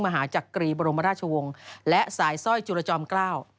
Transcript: มหาจักรีบรมราชวงศ์และสายสร้อยจุลจอมเกล้า